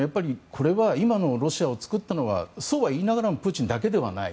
これは今のロシアを作ったのはそうは言いながらもプーチンだけではない。